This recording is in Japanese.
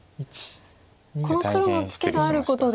この黒のツケがあることで。